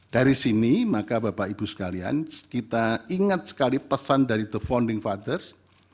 dari sini maka bapak ibu sekalian kita ingat sekali pesan dari the founding fathers